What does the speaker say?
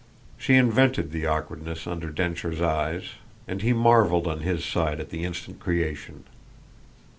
She invented the awkwardness under Densher's eyes, and he marvelled on his side at the instant creation.